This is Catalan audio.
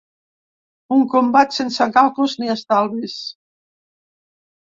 Un combat sense càlculs ni estalvis.